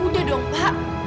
udah dong pak